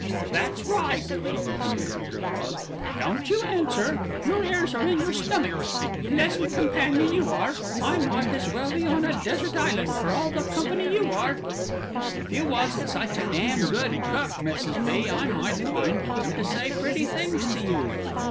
"That's right," she continued after a pause, "don't you answer. Your ears are in your stomach. Pleasant companion you are. I might as well be on a desert island for all the company you are." "If you wasn't such a damn good cook, Mrs. B., I might find time to say pretty things to you."